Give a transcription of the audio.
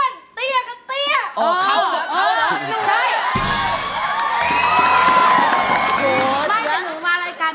สำหรับคุณหนุนาค่ะ